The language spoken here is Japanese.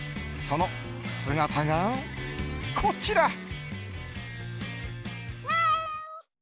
その姿が、こちら。